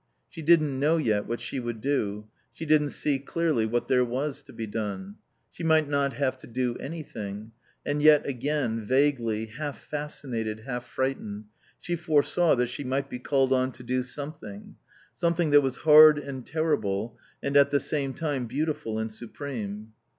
She didn't know yet what she would do; she didn't see clearly what there was to be done. She might not have to do anything; and yet again, vaguely, half fascinated, half frightened, she foresaw that she might be called on to do something, something that was hard and terrible and at the same time beautiful and supreme.